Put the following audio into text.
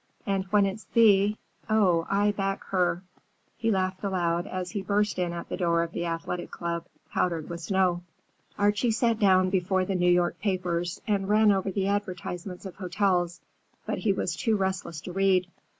And when it's Thea—Oh, I back her!" he laughed aloud as he burst in at the door of the Athletic Club, powdered with snow. Archie sat down before the New York papers and ran over the advertisements of hotels, but he was too restless to read.